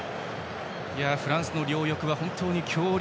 フランスの両翼は本当に強力。